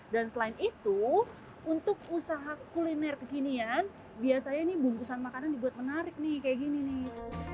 dan selain itu untuk usaha kuliner kekinian biasanya nih bungkusan makanan dibuat menarik nih kayak gini nih